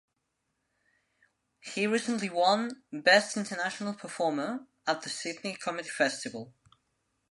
He recently won "Best International Performer" at the Sydney Comedy Festival.